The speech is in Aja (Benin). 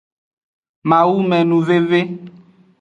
Mawumenuveve.